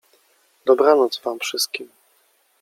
— Dobranoc wam wszystkim!